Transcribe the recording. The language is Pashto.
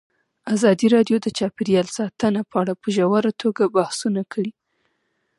ازادي راډیو د چاپیریال ساتنه په اړه په ژوره توګه بحثونه کړي.